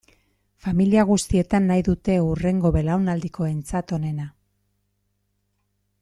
Familia guztietan nahi dute hurrengo belaunaldikoentzat onena.